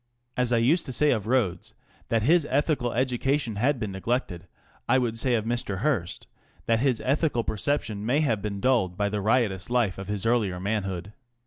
As I used to say of Rhodes that his ethical education had been neglected, I would say of Mr. Hearst that his ethical perception may have been dulled by the riotous life of his earlier manhood.